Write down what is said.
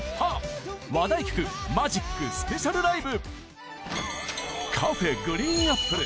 話題曲『Ｍａｇｉｃ』スペシャルライブ